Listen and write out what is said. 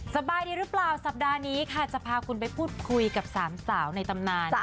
สบายดีหรือเปล่าสัปดาห์นี้ค่ะจะพาคุณไปพูดคุยกับสามสาวในตำนาน